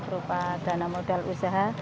berupa dana modal usaha